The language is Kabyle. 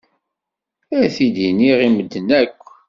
Ad t-id-iniɣ i medden akk.